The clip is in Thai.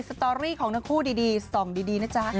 สตอรี่ของทั้งคู่ดีส่องดีนะจ๊ะ